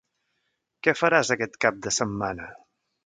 Què faràs aquest cap de setmana?